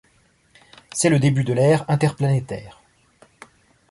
C'est le début de l'ère interplanétaire.